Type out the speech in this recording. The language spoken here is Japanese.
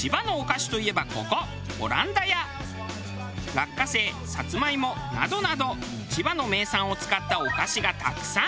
落花生サツマイモなどなど千葉の名産を使ったお菓子がたくさん。